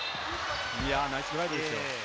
ナイスドライブですよ。